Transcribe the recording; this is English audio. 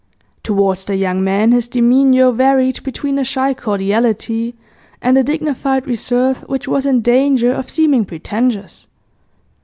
Towards the young man his demeanour varied between a shy cordiality and a dignified reserve which was in danger of seeming pretentious.